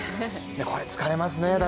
これ、疲れますね。